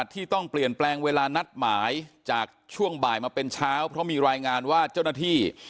ที่ต้องเปลี่ยนแปลงเวลานัดหมายจากช่วงบ่ายมาเป็นเช้าเพราะมีรายงานว่าเจ้าหน้าที่